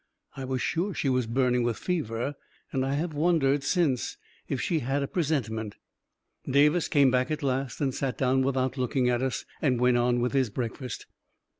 I was sure she was burning with fever; and I have wondered since if she had a presentiment ... Davis came back at last, and sat down without looking at us, and went on with his breakfast.